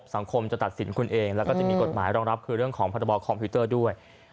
สังคมจะตัดสินคุณเองแล้วก็จะมีกฎหมายรองรับคือเรื่องของพรบคอมพิวเตอร์ด้วย